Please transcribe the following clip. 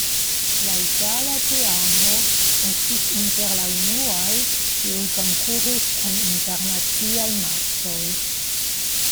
La itala teamo estis inter la unuaj, kiuj konkuris en internaciaj matĉoj.